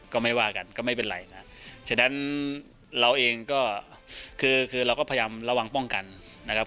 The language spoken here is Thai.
ก็ไม่ว่ากันก็ไม่เป็นไรนะฉะนั้นเราเองก็คือคือเราก็พยายามระวังป้องกันนะครับ